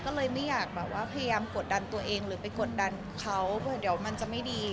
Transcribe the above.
ก็เลยไม่อยากแบบว่าพยายามกดดันตัวเองหรือไปกดดันเขาเผื่อเดี๋ยวมันจะไม่ดี